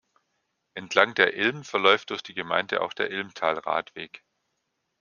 Entlang der Ilm verläuft durch die Gemeinde auch der Ilmtal-Radweg.